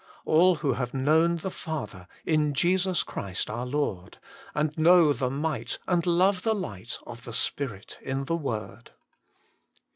All who have known the Father In Jesus Christ our Lord, And know the might And love the light Of the Spirit in the Word.